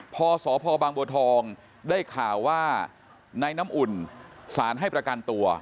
พอสพบางบัวทองได้ข่าวว่าในน้ำอุ่นสารให้ประกันตัว